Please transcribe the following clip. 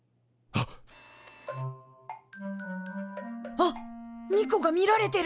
あっニコが見られてる！